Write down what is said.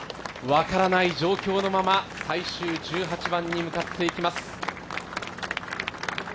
分からない状況のまま最終１８番に向かっていきます。